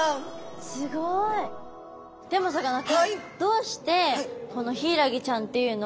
でもさかなクンはい。